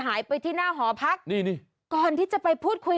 หอพักนะ